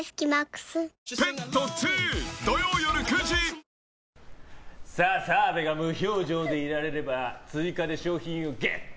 「ビオレ」澤部が無表情でいられれば追加で賞品をゲット。